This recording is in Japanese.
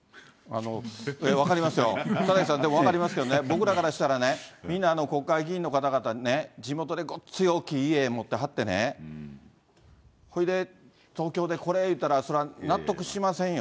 分かりますよ、田崎さん、分かりますけどね、僕らからしたら、みんな国会議員の方々ね、地元でごっつい大きい家持ってはってね、ほいで、東京でこれいったら、そりゃ、納得しませんよ。